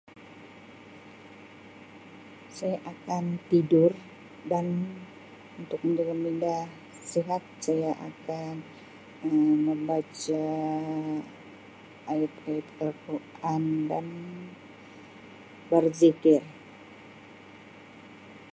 Saya akan tidur dan untuk menjaga minda sihat saya akan Um membaca ayat-ayat Al-Quran dan berzikir.